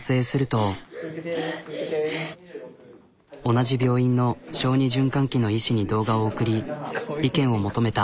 同じ病院の小児循環器の医師に動画を送り意見を求めた。